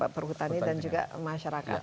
perhutani dan juga masyarakat